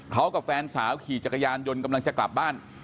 เขากับแฟนสาวขี่จักรยานยนต์กำลังจะกลับบ้าน